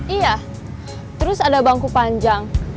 iya terus ada bangku panjang